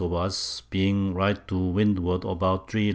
of us, being right to Windward about 3 Leagues.